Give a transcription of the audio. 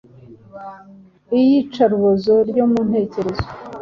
iyica rubozo ryo mu ntekerezo,